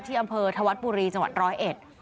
ที่อำเภอธวัฒน์ปุรีจังหวัดร้อยเอ็ด